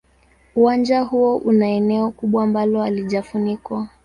Uwanja huo una eneo kubwa ambalo halijafunikwa.